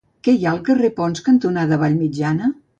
Què hi ha al carrer Ponts cantonada Vallmitjana?